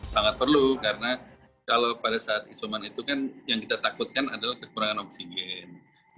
sangat perlu karena kalau pada saat isoman itu kan yang kita takutkan adalah kekurangan oksigen